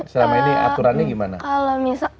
selama ini aturannya gimana